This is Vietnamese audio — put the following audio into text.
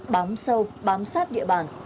bám sâu bám sát địa bàn